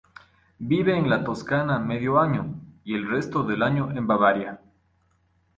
Vive en la Toscana medio año, y el resto del año en Bavaria.